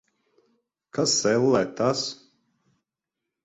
Kas, ellē, tas?